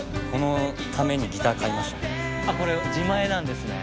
あれこれ自前なんですね。